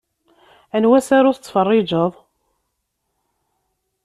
Anwa asaru tferrjeḍ?